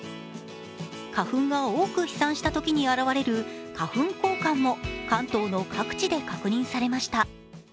花粉が多く飛散したときに現れる花粉光環も関東の各地で確認されました。